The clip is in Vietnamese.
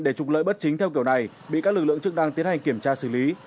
để trục lợi bất chính theo kiểu này bị các lực lượng chức năng tiến hành kiểm tra xử lý